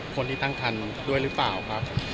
คนที่ตั้งคันด้วยหรือเปล่าครับ